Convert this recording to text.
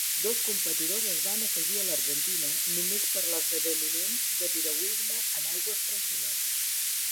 Dos competidors es van afegir a l'Argentina només per l'esdeveniment de piragüisme en aigües tranquil·les.